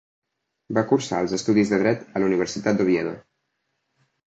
Va cursar els estudis de Dret a la Universitat d'Oviedo.